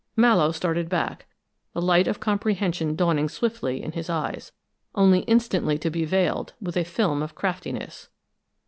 Mallowe started back, the light of comprehension dawning swiftly in his eyes, only instantly to be veiled with a film of craftiness.